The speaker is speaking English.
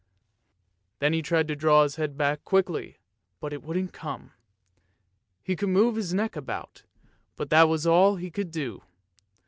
Then he tried to draw his head back quickly, but it wouldn't come. He could move his neck about, but that was all he could do.